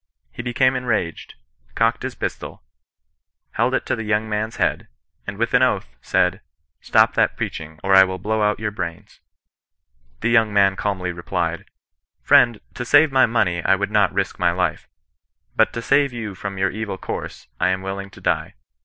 He became enraged, cocked his pistol, held it to the young man's head, and with an oath, said, ' Stop that preaching, or I will blow out your brains.' The young man calmly replied, —^ Friend, to save my mone^ I would not risk my life ; but to save you from your evil course, I am willing to die.